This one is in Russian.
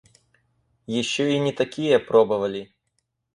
Еще и не такие пробовали.